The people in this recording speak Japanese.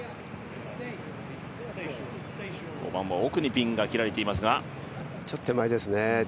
５番は奥にピンが切られていますがちょっと手前ですね。